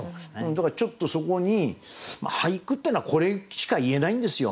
だからちょっとそこに俳句っていうのはこれしか言えないんですよ。